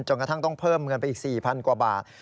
กระทั่งต้องเพิ่มเงินไปอีก๔๐๐กว่าบาท